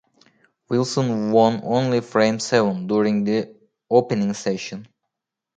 Wilson won only frame seven during the opening session.